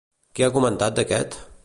Què ha comentat d'aquest?